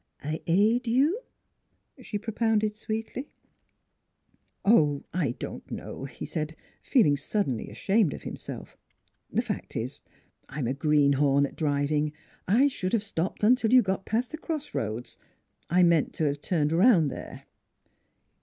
" I aid you? " she propounded sweetly. " Oh, I don't know," he said, feeling suddenly ashamed of himself. " The fact is, I'm a green horn at driving. I should have stopped until, you got past the cross roads. I meant to have turned around there."